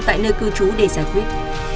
tại nơi cư trú để giải quyết